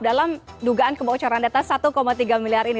dalam dugaan kebocoran data satu tiga miliar ini